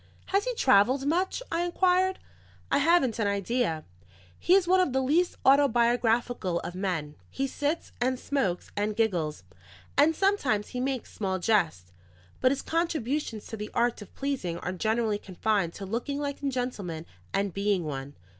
"Has he travelled much?" I inquired. "I haven't an idea. He is one of the least autobiographical of men. He sits, and smokes, and giggles, and sometimes he makes small jests; but his contributions to the art of pleasing are generally confined to looking like a gentleman and being one.